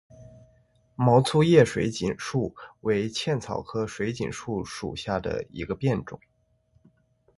毛粗叶水锦树为茜草科水锦树属下的一个变种。